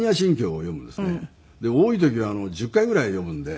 多い時は１０回ぐらい読むんで。